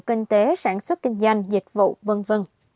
kinh tế sản xuất kinh doanh dịch vụ v v